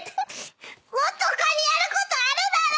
もっと他にやることあるだろ！